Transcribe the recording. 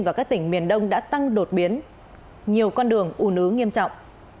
và các tỉnh miền đông đã tăng đột biến nhiều con đường u nứ nghiêm trọng